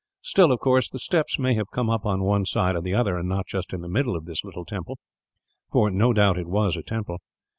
Still, of course, the steps may have come up on one side or the other, and not just in the middle of this little temple for, no doubt, it was a temple.